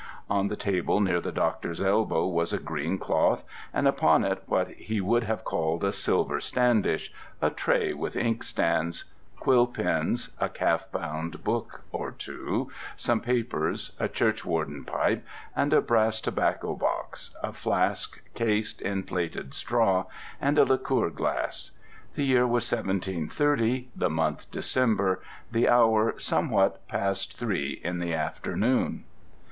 On the table near the doctor's elbow was a green cloth, and upon it what he would have called a silver standish a tray with inkstands quill pens, a calf bound book or two, some papers, a churchwarden pipe and brass tobacco box, a flask cased in plaited straw, and a liqueur glass. The year was 1730, the month December, the hour somewhat past three in the afternoon.